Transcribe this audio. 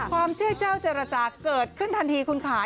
ความเชื่อเจ้าเจรจาเกิดขึ้นทันทีคุณค่ะ